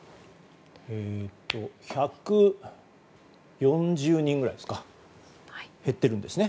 １４０人くらい減っているんですね。